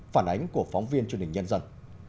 phản ánh của phóng viên truyền hình nhân dân